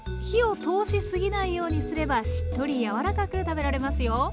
火を通しすぎないようにすればしっとり柔らかく食べられますよ。